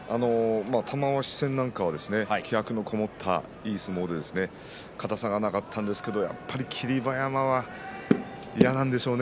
玉鷲戦なんかは気迫のこもったいい相撲で硬さはなかったんですけれどやっぱり霧馬山は嫌なんでしょうね。